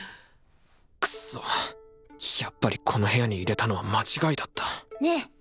クソやっぱりこの部屋に入れたのは間違いだったねえ。